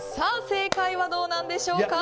正解はどうなんでしょうか。